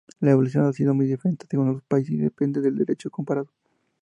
La evolución ha sido muy diferente según los países, y depende del derecho comparado.